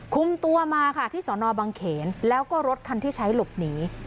คุมตัวมาค่ะที่สนบังเขนแล้วก็รถคันที่ใช้หลบหนี